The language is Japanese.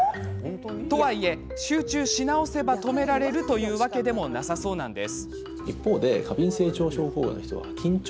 とはいえ集中し直せば止められるというわけでもないそうです。